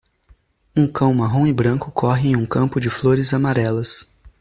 Um cão marrom e branco corre em um campo de flores amarelas.